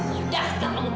sudah kamu membunuh